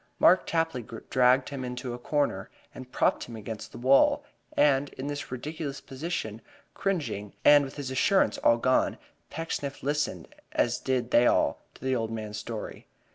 Mark Tapley dragged him into a corner and propped him against the wall, and in this ridiculous position, cringing, and with his assurance all gone, Pecksniff listened, as did they all, to the old man's story.